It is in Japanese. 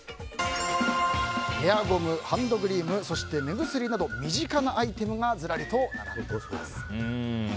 ヘアゴム、ハンドクリームそして目薬など身近なアイテムがずらりと並んでいます。